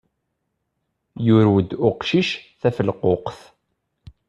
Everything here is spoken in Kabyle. Yurew-d uqcic tafelquqt.